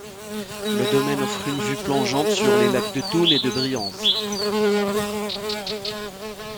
Le domaine offre une vue plongeante sur les lacs de Thoune et de Brienz.